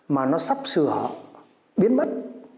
mà nó sắp sửa biến mất